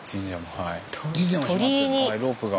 はいロープが。